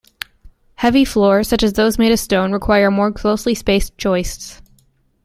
Heavy floors, such as those made of stone, require more closely spaced joists.